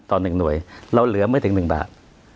ต่อหนึ่งหน่วยเราเหลือไม่ถึง๑บาท